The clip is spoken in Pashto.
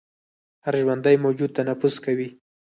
هر ژوندی موجود تنفس کوي